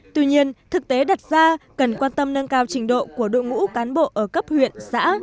tuy nhiên thực tế đặt ra cần quan tâm nâng cao trình độ của đội ngũ cán bộ ở cấp huyện xã